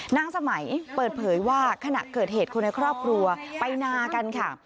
นางสมัยเปิดเผยว่าขณะเกิดเหตุคนในครอบครัวไปนากันค่ะ